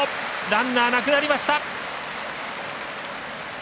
ランナーなくなりました。